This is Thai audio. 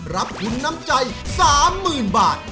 รับทุนน้ำใจ๓๐๐๐บาท